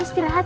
gini ke dalam